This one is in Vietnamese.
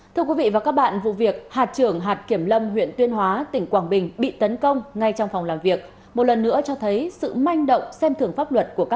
thưa quý vị và các bạn vụ việc hạt trưởng hạt kiểm lâm huyện tuyên hóa tỉnh quảng bình bị tấn công ngay trong phòng làm việc